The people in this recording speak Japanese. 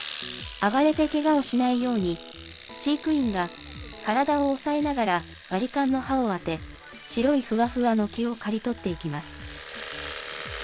暴れてけがをしないように、飼育員が体を押さえながら、バリカンの刃を当て、白いふわふわの毛を刈り取っていきます。